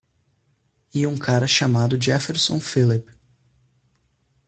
E um cara chamado Jefferson Phillip.